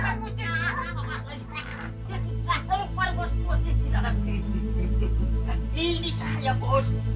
ampun ampun ampun